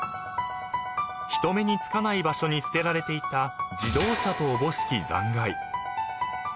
［人目につかない場所に捨てられていた自動車とおぼしき残骸］